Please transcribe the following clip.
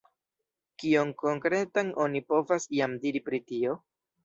Kion konkretan oni povas jam diri pri tio?